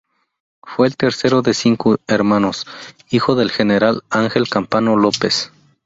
Fue el tercero de cinco hermanos, hijo del general Ángel Campano López.